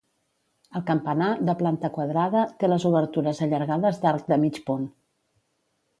El campanar, de planta quadrada, té les obertures allargades d'arc de mig punt.